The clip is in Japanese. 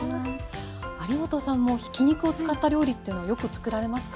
有元さんもひき肉を使った料理というのはよくつくられますか？